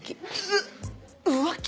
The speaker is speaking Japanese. うぅ浮気？